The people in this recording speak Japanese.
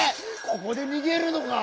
ここでにげるのか？